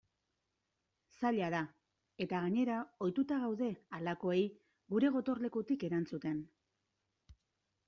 Zaila da eta gainera ohituta gaude halakoei gure gotorlekutik erantzuten.